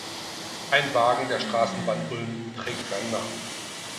Ein Wagen der Straßenbahn Ulm trägt seinen Namen.